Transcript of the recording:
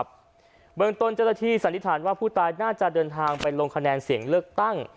เบื้องต้นเจ้าหน้าที่สันนิษฐานว่าผู้ตายน่าจะเดินทางไปลงคะแนนเสียงเลือกตั้ง